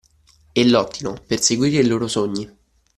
E lottino per seguire i loro sogni.